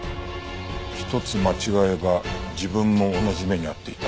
一つ間違えば自分も同じ目に遭っていた。